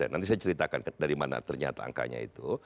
nanti saya ceritakan dari mana ternyata angkanya itu